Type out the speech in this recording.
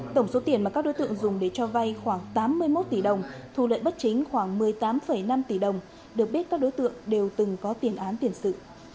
tổng số tiền mà các đối tượng dùng để cho vay khoảng tám mươi một tỷ đồng thu lợi bất chính khoảng một mươi tám năm tỷ đồng được biết các đối tượng đều từng có tiền án tiền sự